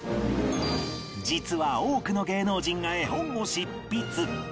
実は多くの芸能人が絵本を執筆